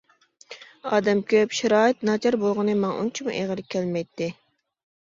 ئادەم كۆپ، شارائىت ناچار بولغىنى ماڭا ئۇنچىمۇ ئېغىر كەلمەيتتى.